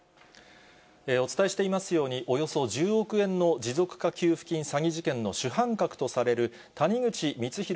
お伝えしていたように、およそ１０億円の持続化給付金詐欺事件の主犯格とされる、谷口光弘